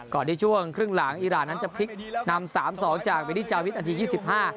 ก่อนที่ช่วงครึ่งหลังอีรานนั้นทำสามสองจากเวดี้จาวิทอันที่โว่งที่๒๕